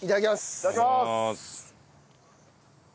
いただきます。